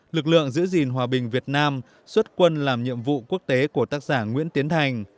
lực lượng giữ gìn hòa bình việt nam xuất quân làm nhiệm vụ quốc tế của tác giả nguyễn tiến thành